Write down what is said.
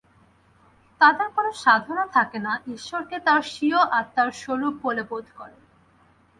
তাঁদের কোন সাধনা থাকে না, ঈশ্বরকে তাঁরা স্বীয় আত্মার স্বরূপ বলে বোধ করেন।